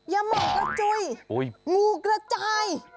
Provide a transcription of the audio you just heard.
อย่ามองกระจุยงูกระจาย